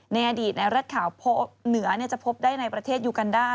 ในอดีตในรัฐข่าวเหนือจะพบได้ในประเทศยูกันด้า